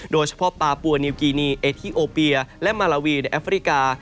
โดยเฉพาะปาปัวนิวกินีเอทีโอเปียและมาลาวีในแอฟริกา